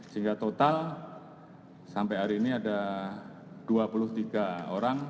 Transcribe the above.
sehingga total sampai hari ini ada dua puluh tiga orang